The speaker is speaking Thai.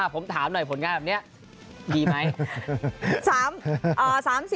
ผมถามหน่อยผลงานแบบนี้ดีไหม